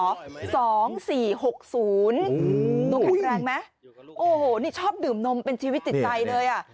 ดูแข็งแรงไหมโอ้โหนี่ชอบดื่มนมเป็นชีวิตจิตใจเลยอ่ะ